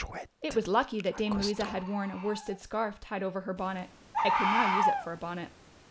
It was lucky that Dame Louisa had worn a worsted scarf tied over her bonnet, and could now use it for a bonnet.